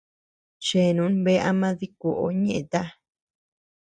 Cheanun bea ama dikuoʼo ñeeta.